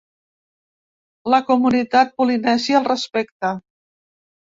La comunitat polinèsia el respecta.